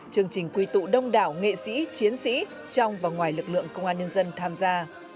chương trình quy tụ đông đảo nghệ sĩ chiến sĩ trong và ngoài lực lượng công an nhân dân tham gia